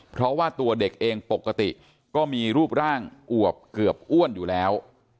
เพราะว่าตัวเด็กเองปกติก็มีรูปร่างอวบเกือบอ้วนอยู่แล้ว